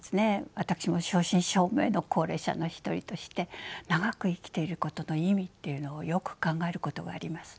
私も正真正銘の高齢者の一人として長く生きていることの意味っていうのをよく考えることがあります。